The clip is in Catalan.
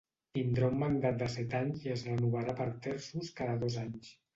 Tindrà un mandat de set anys i es renovarà per terços, cada dos anys.